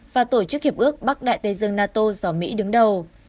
và tổ chức hiệp ước bắt đại tây dương nato gió mỹ đứng đầu